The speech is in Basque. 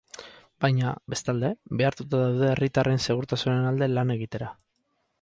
Baina, bestalde, behartuta daude herritarren segurtasunaren alde lan egitera.